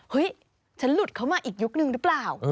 ฉันหลุดเข้ามาอีกยุคนึงหรือเปล่า